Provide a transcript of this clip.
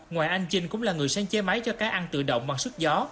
ngoài anh chinh cũng là người sáng chế máy cho cá ăn tự động bằng sức gió